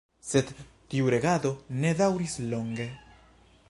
Sed tiu regado ne daŭris longe.